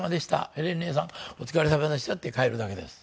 「ヘレン姉さんお疲れさまでした」って帰るだけです。